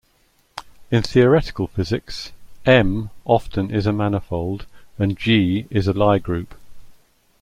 In theoretical physics, "M" often is a manifold and "G" is a Lie group.